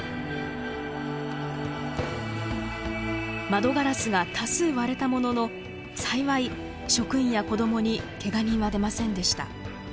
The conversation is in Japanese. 窓ガラスが多数割れたものの幸い職員や子供にけが人は出ませんでした。